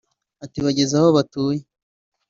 Ati “Bageze aho batuye